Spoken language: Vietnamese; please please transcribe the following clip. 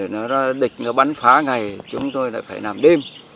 nó địch nó bắn phá ngày chúng tôi lại phải làm đêm